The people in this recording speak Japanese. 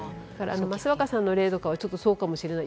益若さんの例とかはそうかもしれない。